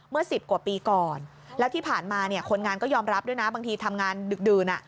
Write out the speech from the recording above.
สิบกว่าปีก่อนแล้วที่ผ่านมาเนี่ยคนงานก็ยอมรับด้วยนะบางทีทำงานดึกดื่น